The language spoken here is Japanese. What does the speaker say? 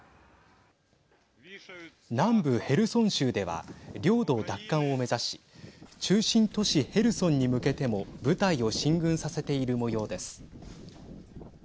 南部ヘルソン州では領土奪還を目指し中心都市ヘルソンに向けても部隊を進軍させているもようです。